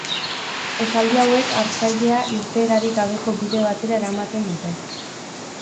Esaldi hauek hartzailea irteerarik gabeko bide batera eramaten dute.